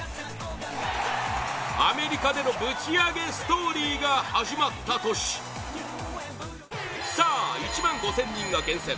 アメリカでのぶちアゲストーリーが始まった年さあ、１万５０００人が厳選！